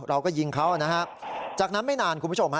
เราก็ยิงเขานะฮะจากนั้นไม่นานคุณผู้ชมฮะ